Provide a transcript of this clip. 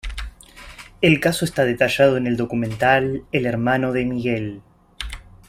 El caso está detallado en el documental "El hermano de Miguel".